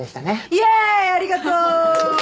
イエーイありがとう！